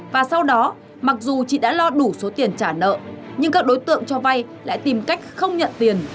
và sau đó mặc dù chị đã lo đủ số tiền trả nợ nhưng các đối tượng cho vay lại tìm cách không nhận tiền